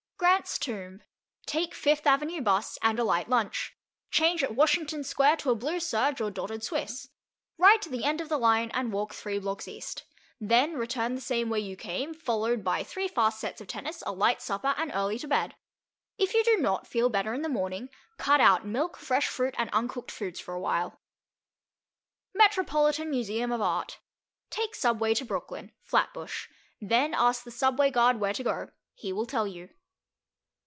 Grant's Tomb. Take Fifth Avenue bus, and a light lunch. Change at Washington Square to a blue serge or dotted Swiss. Ride to the end of the line, and walk three blocks east. Then return the same way you came, followed by three fast sets of tennis, a light supper and early to bed. If you do not feel better in the morning, cut out milk, fresh fruit and uncooked foods for a while. Metropolitan Museum of Art. Take Subway to Brooklyn. (Flatbush.) Then ask the subway guard where to go; he will tell you.